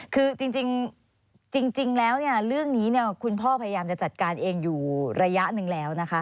คือจริงแล้วเรื่องนี้คุณพ่อพยายามจะจัดการเองอยู่ระยะหนึ่งแล้วนะคะ